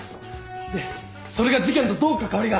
でそれが事件とどう関わりが？